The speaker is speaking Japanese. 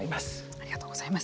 ありがとうございます。